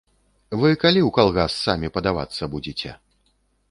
Вы калі ў калгас самі падавацца будзеце?